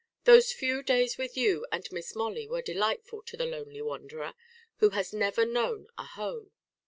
Those few days with you and Miss Molly were delightful to the lonely wanderer, who has never known a home."